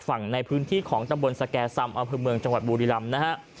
ฝั่งในพื้นที่ของตะบลสแก่ซัมเอาเป็นเมืองจังหวัดบูริรัมณ์นะฮะ